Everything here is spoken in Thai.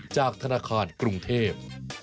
จากธนาคารกรุงเทพ